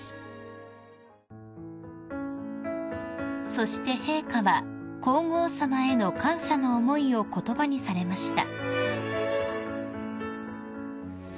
［そして陛下は皇后さまへの感謝の思いを言葉にされました］